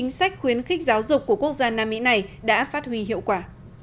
chính sách khuyến khích giáo dục của quốc gia nam mỹ này đã phát huy hiệu quả